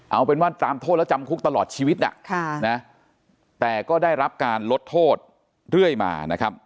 เอาเป็นว่าตามโทษแล้วจำคุกตลอดชีวิตน่ะแต่ก็ได้รับการลดโทษเรื่อยมานะครับ